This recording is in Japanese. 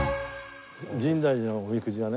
深大寺のおみくじはね